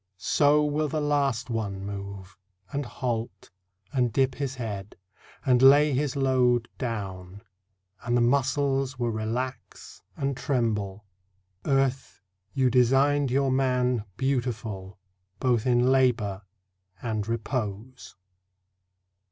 So will the last one move, And halt, and dip his head, and lay his load Down, and the muscles will relax and tremble. .. Earth, you designed your man Beautiful both in labour, and repose.